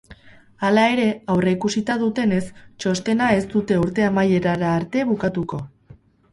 Hala ere, aurreikusita dutenez, txostena ez dute urte amaierara arte bukatuko.